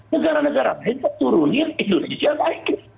negara negara banyak turun indonesia baik